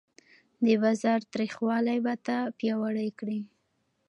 د بازار تریخوالی به تا پیاوړی کړي.